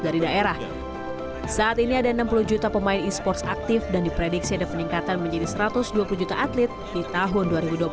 saat ini ada enam puluh juta pemain esports aktif dan diprediksi ada peningkatan menjadi satu ratus dua puluh juta atlet di tahun dua ribu dua puluh satu